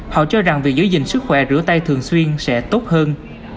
họ cho rằng việc giữ gìn sức khỏe rửa tay thường xuyên sẽ tốt hơn